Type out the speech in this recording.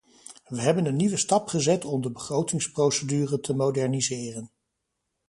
We hebben een nieuwe stap gezet om de begrotingsprocedure te moderniseren.